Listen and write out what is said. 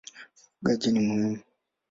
Ufugaji ni muhimu.